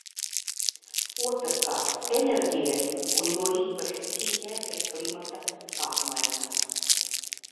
Otrkārt, enerģijai, un jo īpaši cīņai pret klimata pārmaiņām.